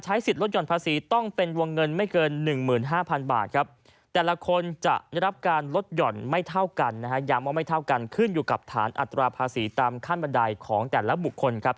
จนจะได้รับการลดหย่อนไม่เท่ากันย้ำว่าไม่เท่ากันขึ้นอยู่กับฐานอัตราภาษีตามขั้นบันไดของแต่ละบุคคลครับ